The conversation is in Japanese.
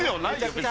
別に。